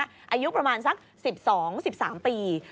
อายุประมาณสัก๑๒๑๓ปี